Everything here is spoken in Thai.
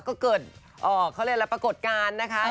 ก็เกิดอ่อเขาเรียนแล้วปรากฏการณ์นะคะ